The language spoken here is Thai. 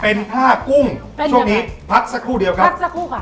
เป็นผ้ากุ้งช่วงนี้พักสักครู่เดียวครับพักสักครู่ค่ะ